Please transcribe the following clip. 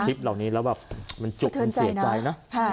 คลิปเหล่านี้แล้วแบบมันจุกมันเสียใจนะ